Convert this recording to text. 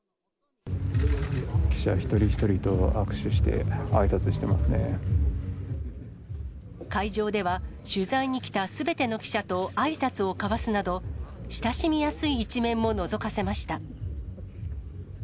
記者一人一人と握手して、会場では、取材に来たすべての記者と、あいさつを交わすなど、親しみやすい一面ものぞかせました。